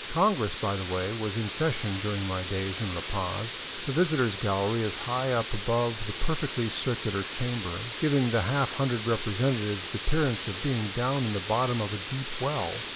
Congress, by the way, was in session during my days in La Paz. The visitors' gallery is high up above the perfectly circular chamber, giving the half hundred representatives the appearance of being down at the bottom of a deep well.